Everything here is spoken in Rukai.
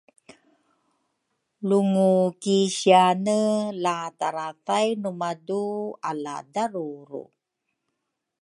Lu ngukisiane la tarathainu madu ala daruru?